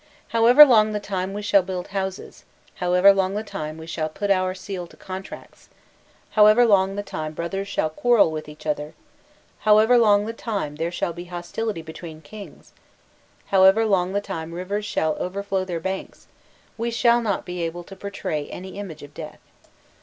"However long the time we shall build houses, however long the time we shall put our seal to contracts, however long the time brothers shall quarrel with each other, however long the time there shall be hostility between kings, however long the time rivers shall overflow their banks, we shall not be able to portray any image of death.